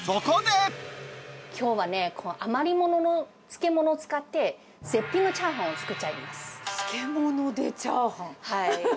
きょうはね、余り物の漬物使って、絶品のチャーハンを作っちゃいます。